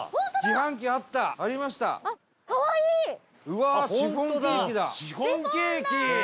飯尾：シフォンケーキ！